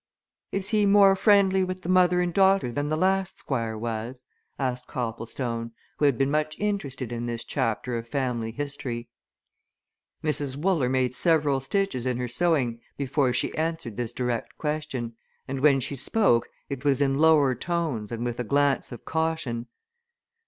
"Is he more friendly with the mother and daughter than the last Squire was?" asked Copplestone, who had been much interested in this chapter of family history. Mrs. Wooler made several stitches in her sewing before she answered this direct question, and when, she spoke it was in lower tones and with a glance of caution.